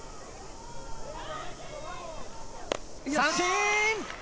三振！